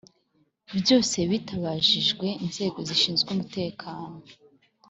byose bitabajijwe inzego zishinzwe umutekano?